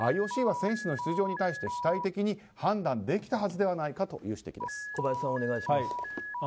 ＩＯＣは選手の出場に対して主体的に判断できたはずでは小林さん、お願いします。